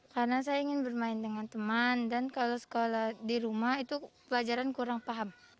karena saya ingin bermain dengan teman dan kalau sekolah di rumah itu pelajaran kurang paham